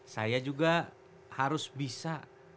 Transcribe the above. saya juga harus bisa